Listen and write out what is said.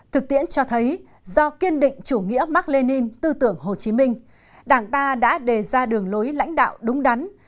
thực tiễn cho thấy do kiên định chủ nghĩa mark lenin tư tưởng hồ chí minh đảng ta đã đề ra đường lối lãnh đạo đúng đắn